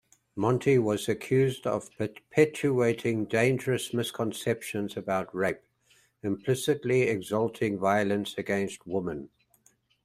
Monty was accused of perpetuating dangerous misconceptions about rape, implicitly exalting violence against women.